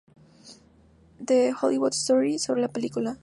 True Hollywood Story" sobre la película.